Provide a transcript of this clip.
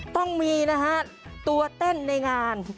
ต้องมีนะฮะตัวเต้นในงาน